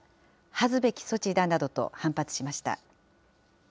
恥ずべき措置だなどと反発しました。